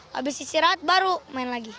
habis istirahat baru main lagi